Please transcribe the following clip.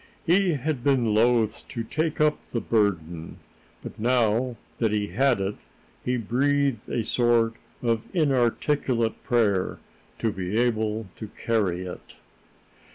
He had been loath to take up the burden; but, now that he had it, he breathed a sort of inarticulate prayer to be able to carry it.